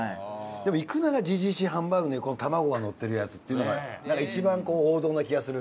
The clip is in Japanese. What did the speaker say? でもいくならＧＧＣハンバーグ卵がのってるやつっていうのがなんか一番王道な気がする。